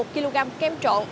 một kg kem trộn